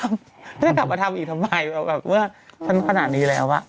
ไม่ได้กลับมาทำอีกทำไมเพราะว่าฉันขนาดนี้แล้ว